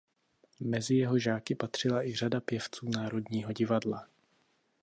Mezi jeho žáky patřila i řada pěvců Národního divadla.